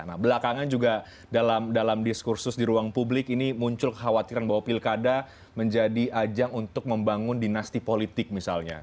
nah belakangan juga dalam diskursus di ruang publik ini muncul kekhawatiran bahwa pilkada menjadi ajang untuk membangun dinasti politik misalnya